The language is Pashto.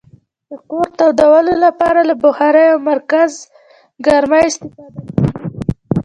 د کور تودولو لپاره له بخارۍ او مرکزګرمي استفاده کیږي.